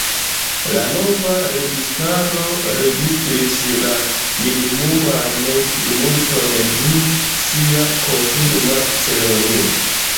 La nova registaro registris la minimuman plimulton dum sia konfirma ceremonio.